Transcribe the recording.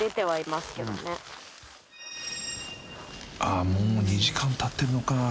［あもう２時間たってるのかぁ］